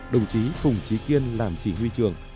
đồng chí phùng trí kiên làm chỉ huy trường